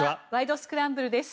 スクランブル」です。